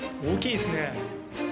大きいですね。